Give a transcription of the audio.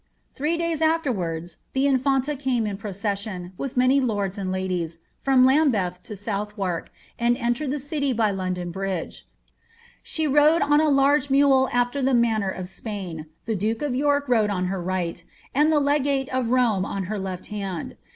Three « afterwards the in&nta came in procession, with many lords and la from lambeth to South wark, and entered the city by London Bri She rode on a laige mule after the manner of Spam, the duke of 1 rode on her right, and the legate of Rome on her left hand.